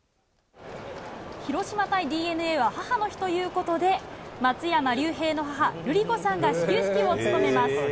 広島対ＤｅＮＡは、母の日ということで、松山竜平の母、ルリ子さんが始球式を務めます。